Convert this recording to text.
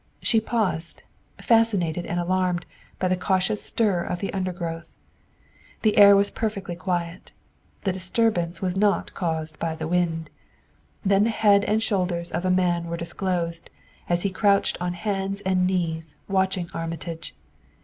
She paused, fascinated and alarmed by the cautious stir of the undergrowth. The air was perfectly quiet; the disturbance was not caused by the wind. Then the head and shoulders of a man were disclosed as he crouched on hands and knees, watching Armitage.